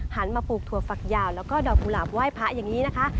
มาปลูกถั่วฝักยาวแล้วก็ดอกกุหลาบไหว้พระอย่างนี้นะคะ